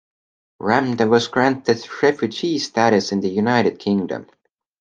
Ramda was granted refugee status in the United Kingdom.